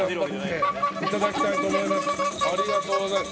ありがとうございます。